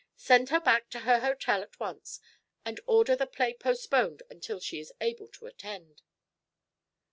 Send her back to her hotel at once and order the play postponed until she is able to attend."